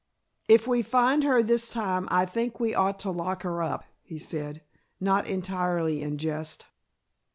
"If we find her this time I think we ought to lock her up," he said, not entirely in jest.